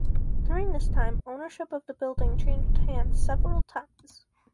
During this time ownership of the building changed hands several times.